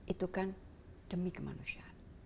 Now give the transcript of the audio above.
itu kan demi kemanusiaan